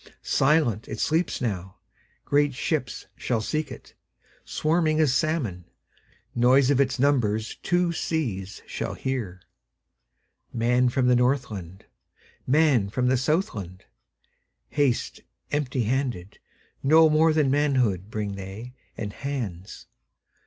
Silent it sleeps now; Great ships shall seek it, Swarming as salmon; Noise of its numbersTwo seas shall hear. Man from the Northland, Man from the Southland, Haste empty handed; No more than manhoodBring they, and hands.